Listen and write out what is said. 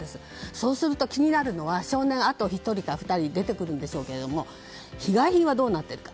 そうすると気になるのは少年があと１人か２人出てくるんでしょうが被害品はどうなっているのか。